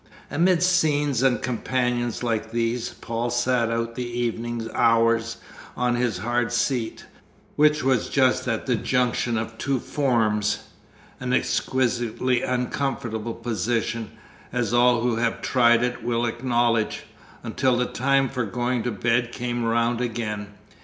Amidst scenes and companions like these, Paul sat out the evening hours on his hard seat, which was just at the junction of two forms an exquisitely uncomfortable position, as all who have tried it will acknowledge until the time for going to bed came round again.